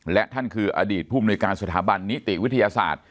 และท่านคืออดีตผู้มนุยการสถาบันนิติวิทยาศาสตร์